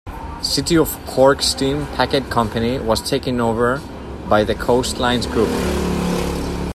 City of Cork Steam Packet Company, was taken over by the Coast Lines group.